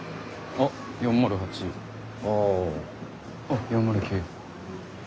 あっ４０９。